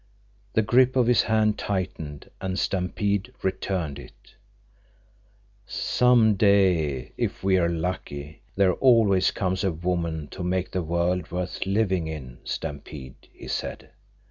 The grip of his hand tightened, and Stampede returned it. "Some day, if we're lucky, there always comes a woman to make the world worth living in, Stampede," he said.